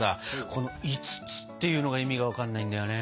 この５つっていうのが意味が分かんないんだよね。